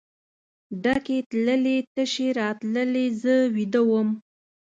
ډکې تللې تشې راتللې زه ویده وم.